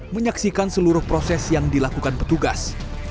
menyaksikan seluruh proses yang dilakukan petugas